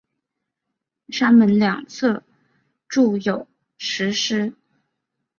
山门两侧筑有石狮。